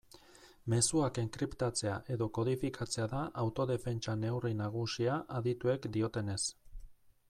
Mezuak enkriptatzea edo kodifikatzea da autodefentsa neurri nagusia adituek diotenez.